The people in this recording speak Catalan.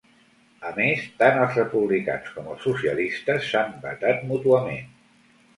A més, tant els republicans com els socialistes s’han vetat mútuament.